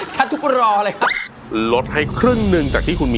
ฉันคงก็รอเลยครับ